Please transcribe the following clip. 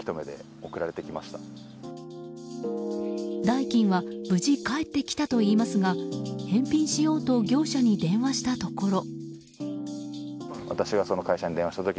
代金は無事返ってきたといいますが返品しようと業者に電話したところ。